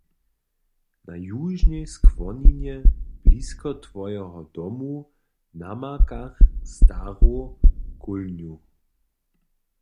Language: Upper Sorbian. Na južnej skłoninje, blisko twojeho domu, namakach staru kólnju.